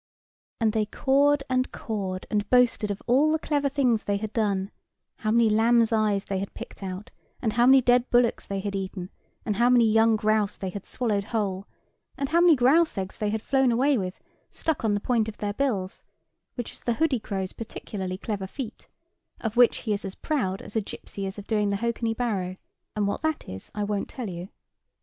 And they cawed and cawed, and boasted of all the clever things they had done; how many lambs' eyes they had picked out, and how many dead bullocks they had eaten, and how many young grouse they had swallowed whole, and how many grouse eggs they had flown away with, stuck on the point of their bills, which is the hoodie crow's particularly clever feat, of which he is as proud as a gipsy is of doing the hokany baro; and what that is, I won't tell you.